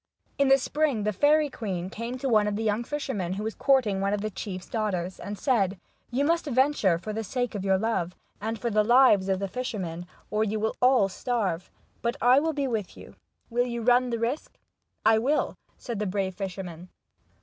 In the spring the queen fairy came to one of the young fishermen who was courting one of the chiefs daughters, and said :" You must venture for the sake of your love, and for the lives of the fishermen, or you will all starve but I will be with you. Will you run the risk ?" "I will," said the brave fisherman.